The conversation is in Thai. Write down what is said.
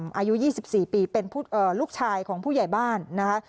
อายุยี่สิบสี่ปีเป็นเอ่อลูกชายของผู้ใหญ่บ้านนะคะ